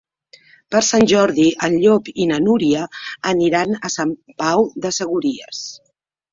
Per Sant Jordi en Llop i na Núria aniran a Sant Pau de Segúries.